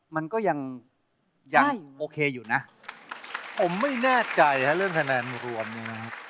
มันก็ยังได้ยังโอเคอยู่นะผมไม่แน่ใจค่ะเรื่องคะแนนรวมนี้นะครับ